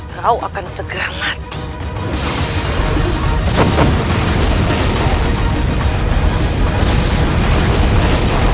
kau akan segera mati